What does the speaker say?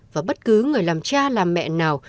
và bất cứ người làm cha làm mẹ nào